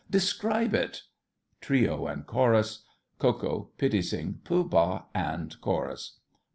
Describe it. TRIO and CHORUS. KO KO, PITTI SING, POOH BAH and CHORUS.